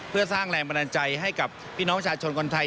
เพื่อสร้างแรงบันดาลใจให้กับพี่น้องชาชนคนไทย